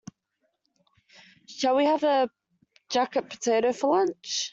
Shall we have a jacket potato for lunch?